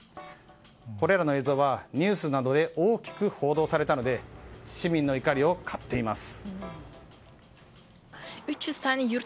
これらの映像はニュースなどで大きく報道されたので市民の怒りを買っています。